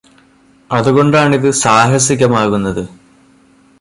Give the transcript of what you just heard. അതുകൊണ്ടാണിത് സാഹസികമാകുന്നത്